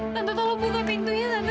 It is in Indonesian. tante tolong buka pintunya tante